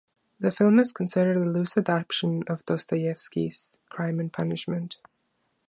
The film is considered a loose adaptation of Dostoyevsky's "Crime and Punishment".